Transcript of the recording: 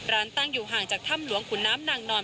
ตั้งอยู่ห่างจากถ้ำหลวงขุนน้ำนางนอน